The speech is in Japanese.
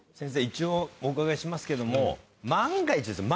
一応お伺いしますけども万が一ですよ